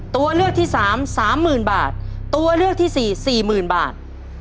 ตัวเลือกที่๓๓๐๐๐๐บาทตัวเลือกที่๔๔๐๐๐๐บาท